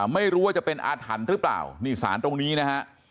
ไม่รู้ว่าจะเป็นอาถรรพ์หรือเปล่านี่สารตรงนี้นะฮะ